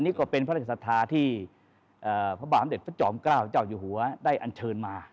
นี่ก็เป็นพระราชศรัทธาที่พระบาทเด็จพระจอมเกล้าเจ้าอยู่หัวได้อันเชิญมา